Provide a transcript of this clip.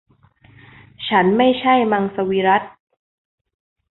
ฉันไม่ใช่มังสวิรัติ